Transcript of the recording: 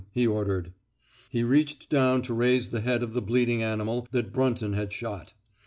" he ordered. He reached down to raise the head of the bleeding animal that Brunton had shot.